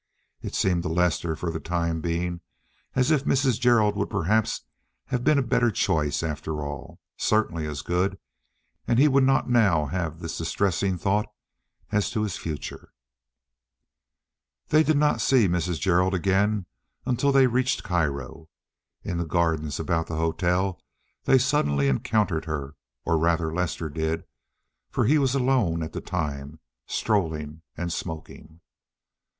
It seemed to Lester for the time being as if Mrs. Gerald would perhaps have been a better choice after all—certainly as good, and he would not now have this distressing thought as to his future. They did not see Mrs. Gerald again until they reached Cairo. In the gardens about the hotel they suddenly encountered her, or rather Lester did, for he was alone at the time, strolling and smoking.